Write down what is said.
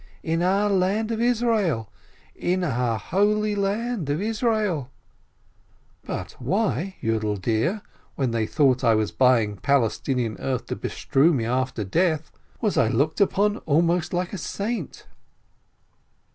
in our land of Israel, in our Holy Land of Israel !" "But why, Yiidel dear, when they thought I was buying Palestinian earth to bestrew me after death, was I looked upon almost like a saint?"